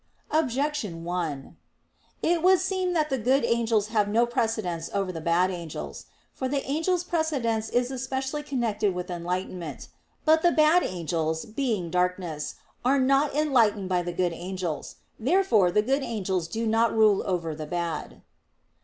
Objection 1: It would seem that the good angels have no precedence over the bad angels. For the angels' precedence is especially connected with enlightenment. But the bad angels, being darkness, are not enlightened by the good angels. Therefore the good angels do not rule over the bad.